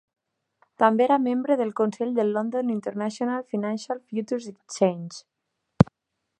També era membre del consell del London International Financial Futures Exchange.